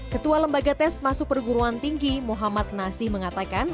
ketua lembaga tes masuk perguruan tinggi muhammad nasi mengatakan